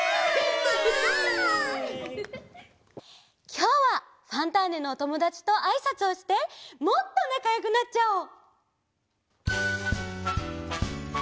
きょうは「ファンターネ！」のおともだちとあいさつをしてもっとなかよくなっちゃおう！